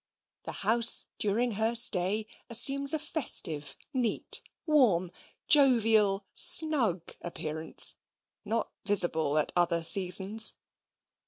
The house during her stay assumes a festive, neat, warm, jovial, snug appearance not visible at other seasons.